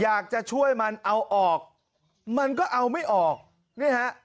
อยากจะช่วยมันเอาออกมันก็เอาไม่ออกนี่ฮะ